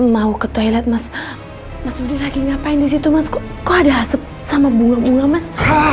mau ke toilet mas mas budi lagi ngapain disitu mas kok ada asep sama bunga bunga mas